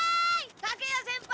竹谷先輩！